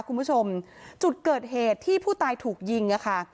คุณผู้ชมจุดเกิดเหตุที่ผู้ตายถูกยิงอะค่ะ